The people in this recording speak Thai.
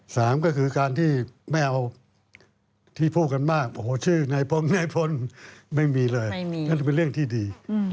สามก็คือการที่พูดกันมากโอ้โฮชื่อไนฟรนไม่มีเลยนั่นเป็นเรื่องที่ดี